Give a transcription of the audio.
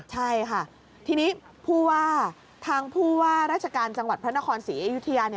ใช่ค่ะทีนี้ทางผู้ว่าราชการจังหวัดพระนครศรีอยุธิยา